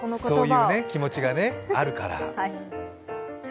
そういう気持ちがあるから。